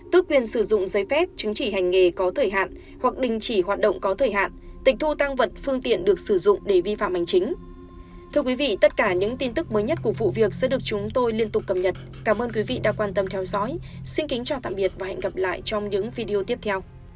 tước quyền sử dụng giấy phép chứng chỉ hành nghề có thời hạn hoặc đình chỉ hoạt động có thời hạn tịch thu tăng vật phương tiện được sử dụng để vi phạm hành chính